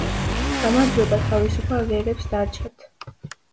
გამარჯვება თავისუფალ ერებს დარჩათ.